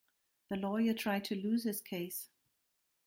The lawyer tried to lose his case.